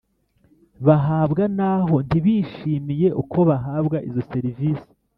bahabwa naho ntibishimiye uko bahabwa izo serivisi